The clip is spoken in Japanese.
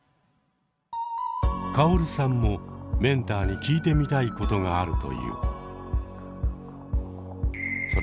カオルさんもメンターに聞いてみたいことがあるという。